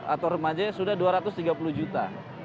atau remaja yang sudah dua ratus tiga puluh juta